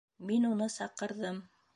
Мин уны саҡырҙым.